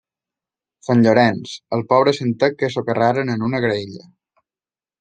Sant Llorenç, el pobre santet que socarraren en una graella.